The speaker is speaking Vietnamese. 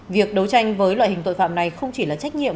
việc đấu tranh với loại hình tội phạm này không chỉ là trách nhiệm